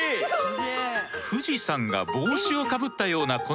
富士山が帽子をかぶったようなこの雲は笠雲。